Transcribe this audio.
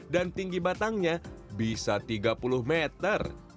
dan tinggi batangnya bisa tiga puluh meter